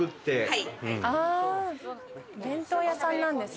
はい。